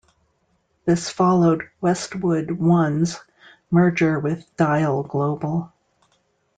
This followed Westwood One's merger with Dial Global.